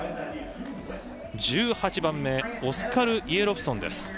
１８番目オスカル・イエロフソンです。